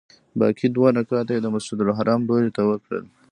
باقي دوه رکعته یې د مسجدالحرام لوري ته وکړل.